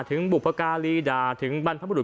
บุพการีด่าถึงบรรพบุรุษ